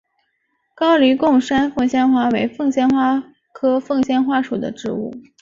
高黎贡山凤仙花为凤仙花科凤仙花属的植物。